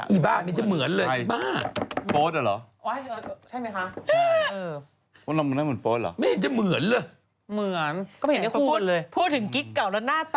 อีบ้า